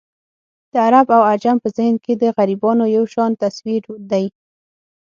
د عرب او عجم په ذهن کې د غربیانو یو شان تصویر دی.